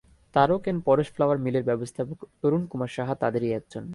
Tarak and Paras flower মিলের ব্যবস্থাপক তরুণ কুমার সাহা তাঁদেরই একজন।